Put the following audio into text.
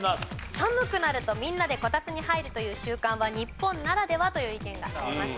寒くなるとみんなでこたつに入るという習慣は日本ならではという意見がありました。